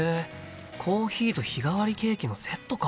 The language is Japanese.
コーヒーと日替わりケーキのセットか。